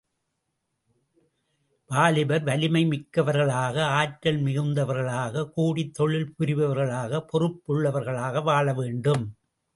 வாலிபர் வலிமை மிக்கவர்களாக, ஆற்றல் மிகுந்தவர்களாக, கூடித் தொழில் புரிபவர்களாக, பொறுப்புள்ளவர்களாக வாழ வேண்டும்.